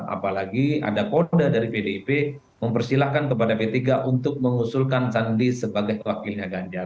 apalagi ada kode dari pdip mempersilahkan kepada p tiga untuk mengusulkan sandi sebagai wakilnya ganjar